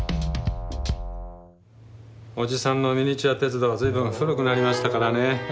おじさんのミニチュア鉄道随分古くなりましたからね